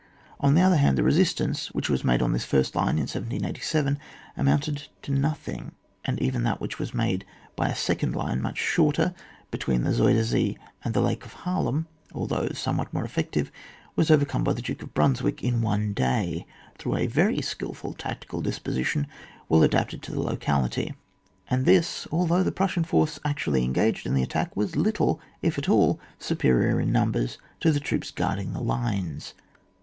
On the other hand, the resistance which was made on this first line in 1787 amounted to nothing, and even that which was made by a second line much shorter, between the Zuyder Zee and the lake of Haarlem, alUiough somewhat more effective, was overcome by the Duke of Bnmswick in one day, through a very skilful tactical disposition well adapted to the locality, and this although the Prussian force actually engaged in the attack was little, if at all, superior in numbers to the troops guarding the lines.